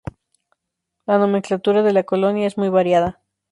La nomenclatura de la colonia es muy variada.